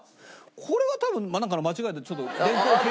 これは多分なんかの間違いでちょっと。